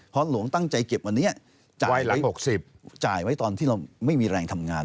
เพราะหลวงตั้งใจเก็บวันนี้จ่ายหลาย๖๐จ่ายไว้ตอนที่เราไม่มีแรงทำงาน